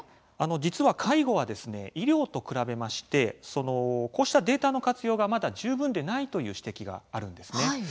実は介護は医療と比べましてこうしたデータの活用がまだ十分でないという指摘があるんですね。